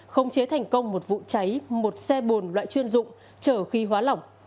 không chế thành công một vụ cháy một xe bồn loại chuyên dụng trở khí hóa lỏng